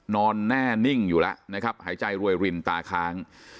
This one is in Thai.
นอนแน่นิ่งอยู่แล้วนะครับหายใจรวยรินตาค้าง